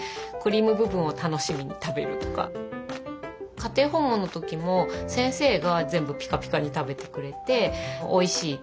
家庭訪問の時も先生が全部ピカピカに食べてくれておいしいっていう話をして。